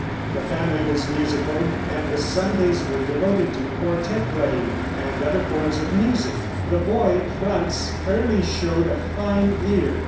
The family was musical, and the Sundays were devoted to quartette playing and other forms of music. The boy Franz early showed a fine ear.